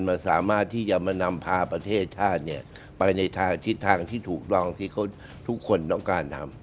มันสามารถที่จะมานำพาประเทศชาติไปในทางทิศทางที่ถูกต้องที่ทุกคนต้องการทำ